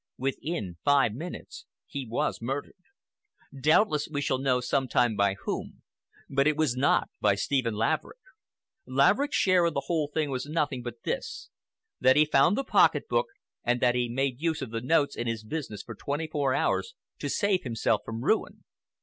Within five minutes he was murdered. Doubtless we shall know sometime by whom, but it was not by Stephen Laverick. Laverick's share in the whole thing was nothing but this—that he found the pocket book, and that he made use of the notes in his business for twenty four hours to save himself from ruin.